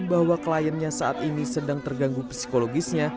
bahwa kliennya saat ini sedang terganggu psikologisnya